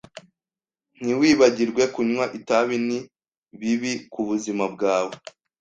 Ntiwibagirwe kunywa itabi ni bibi kubuzima bwawe.